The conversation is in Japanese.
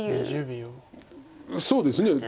そうですね。